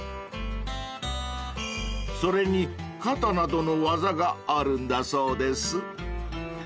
［それに肩などの技があるんだそうです］